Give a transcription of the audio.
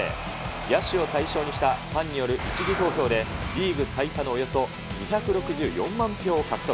野手を対象にしたファンによる１次投票で、リーグ最多のおよそ２６４万票を獲得。